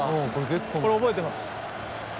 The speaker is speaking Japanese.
これ覚えてます。